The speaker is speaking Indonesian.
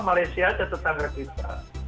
malaysia saja tetangga kita